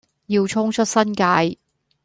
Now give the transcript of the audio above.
要衝出新界